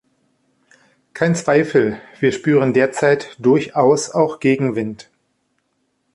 Kein Zweifel, wir spüren derzeit durchaus auch Gegenwind.